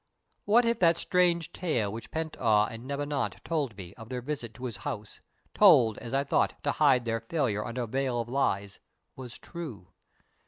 "What if that strange tale which Pent Ah and Neb Anat told me of their visit to his house told, as I thought, to hide their failure under a veil of lies was true?